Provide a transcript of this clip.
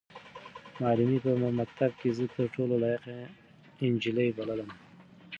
معلمې به په مکتب کې زه تر ټولو لایقه نجلۍ بللم.